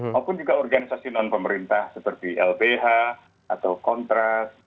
maupun juga organisasi non pemerintah seperti lbh atau kontras